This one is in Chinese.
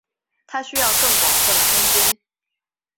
他需要更广阔的空间。